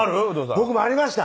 僕もありました。